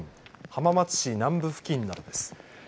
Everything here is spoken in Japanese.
浜松市南部付近などです。